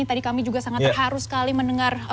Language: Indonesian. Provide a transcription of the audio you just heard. tadi kami juga sangat terharu sekali mendengar